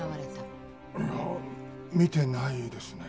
いや見てないですね。